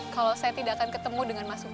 kalau saya tidak akan ketemu dengan mas supa lagi